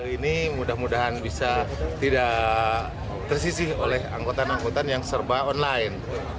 ini mudah mudahan bisa tidak tersisih oleh angkutan angkutan yang serba online